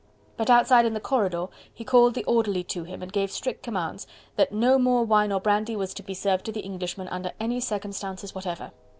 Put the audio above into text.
But outside in the corridor he called the orderly to him and gave strict commands that no more wine or brandy was to be served to the Englishman under any circumstances whatever.